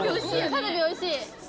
カルビおいしい。